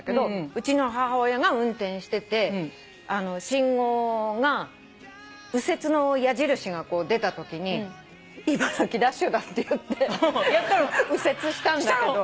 うちの母親が運転してて信号が右折の矢印が出たときに「茨城ダッシュだ」って言って右折したんだけど。